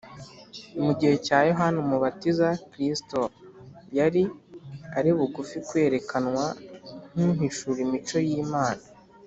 Mu gihe cya Yohana Umubatiza, Kristo yari ari bugufi kwerekanwa nk’uhishura imico y’Imana.